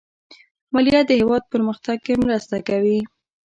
مالیه د هېواد پرمختګ کې مرسته کوي.